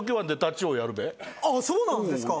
そうなんですか！